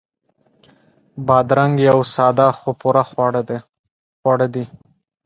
بادرنګ یو ساده خو پوره خواړه دي.